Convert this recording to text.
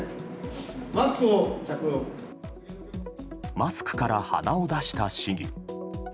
マスクから鼻を出した市議。